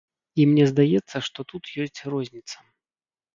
І мне здаецца, што тут ёсць розніца.